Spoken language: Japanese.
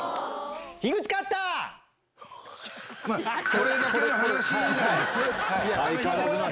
これだけの話なんです。